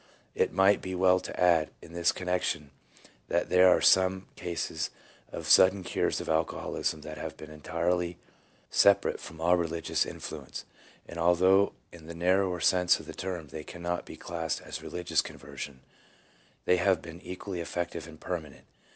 It might be well to add in this connection that there are some cases of sudden cures of alcoholism that have been entirely separate from all religious influence; and although in the narrower sense of the term they cannot be classed as religious conversion, they have been equally effective and permanent.